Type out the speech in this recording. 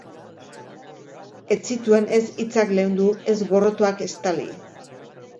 Ez zituen ez hitzak leundu, ez gorrotoak estali.